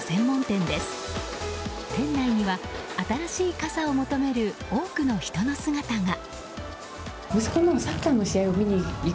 店内には、新しい傘を求める多くの人の姿が。